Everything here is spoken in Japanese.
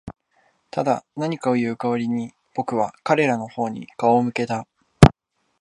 ただ、何かを言う代わりに、僕は彼らの方に顔を向けた。